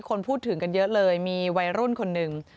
คนพูดถึงกันเยอะเลยมีวัยรุ่นคนหนึ่ง